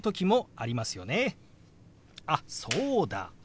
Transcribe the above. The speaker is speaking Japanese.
あっそうだ。